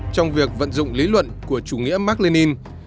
trong việc vận dụng lý luận của chủ nghĩa mark lenin